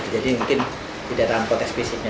jadi mungkin tidak terhadap konteks fisiknya